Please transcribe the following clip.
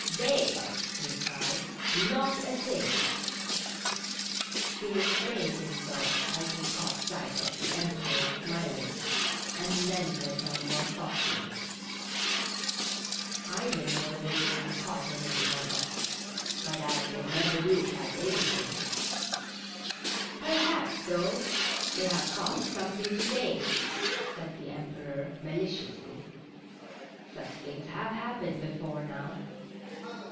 " They !" he cried. " Not a thing !" He restrained himself as he caught sight of the Em peror smiling, and then went on more softly :" I don't know whether they have caught anything or not ; but as they never do catch anything "" Perhaps, though, they have caught something to day,^' said the Emperor, maliciously. "Such things have happened before now."